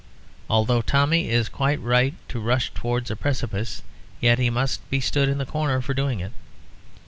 Although Tommy is quite right to rush towards a precipice, yet he must be stood in the corner for doing it.